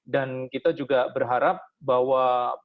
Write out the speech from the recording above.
dan kita juga berharap bahwa